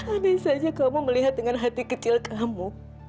anissanya kamu melihat dengan hati kecil kamu